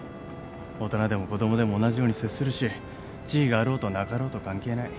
大人でも子供でも同じように接するし地位があろうとなかろうと関係ない。